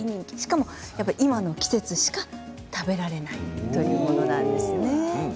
しかも今の季節しか食べられないというものなんですね。